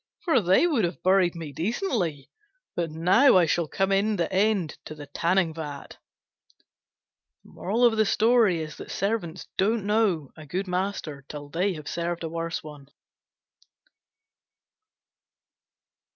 for they would have buried me decently, but now I shall come in the end to the tanning vat." Servants don't know a good master till they have served a worse.